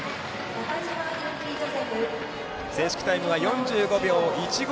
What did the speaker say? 正式タイムは４５秒１５。